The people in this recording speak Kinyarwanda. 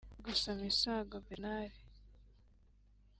Gusa Misago Bernard